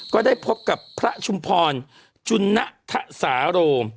ก็ได้พบกับพระชุมพรจุณฑสารโรม